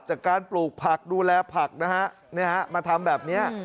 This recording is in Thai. จากการปลูกผักดูแลผักนะฮะมาทำแบบนี้